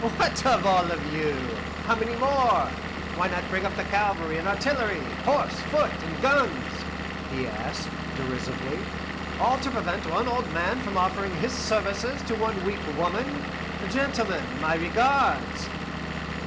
"What, all of you? How many more? Why not bring up cavalry and artillery, horse, foot, and guns?" he asked, derisively. "All to prevent one old man from offering his services to one weak woman! Gentlemen, my regards!"